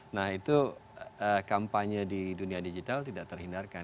nah itu kampanye di dunia digital tidak terhindarkan